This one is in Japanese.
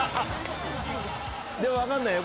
でも分かんないよ。